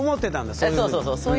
そうそうそう。